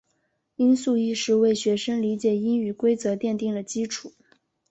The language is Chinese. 音素意识为学生理解英语规则奠定了基础。